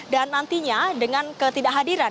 dan nantinya dengan ketidakhadiran